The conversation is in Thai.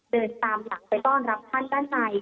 เดินตามหลังไปต้อนรับท่านด้านใน